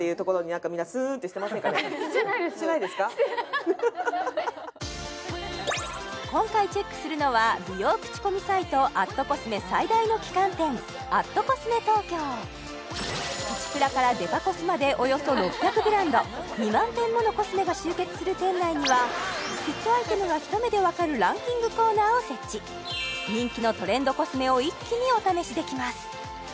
ふふふ今回チェックするのは美容口コミサイト＠ｃｏｓｍｅ最大の旗艦店プチプラからデパコスまでおよそ６００ブランド２万点ものコスメが集結する店内にはヒットアイテムが一目でわかるランキングコーナーを設置人気のトレンドコスメを一気にお試しできます